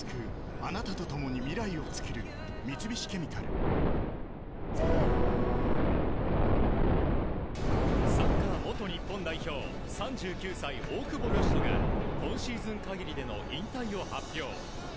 東京海上日動のＤＡＰサッカー元日本代表３９歳、大久保嘉人が今シーズン限りでの引退を発表。